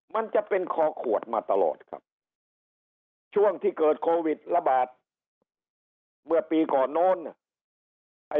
มาตลอดครับช่วงที่เกิดโควิดระบาดเมื่อปีก่อนโน้นไอ้